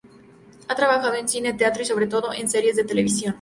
Ha trabajado en cine, teatro y, sobre todo, en series de televisión.